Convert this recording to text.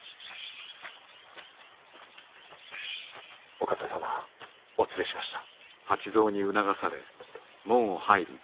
・お方様お連れしました。